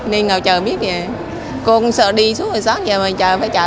nên ngồi chờ biết cô cũng sợ đi suốt ngày sáng giờ mà chờ phải chờ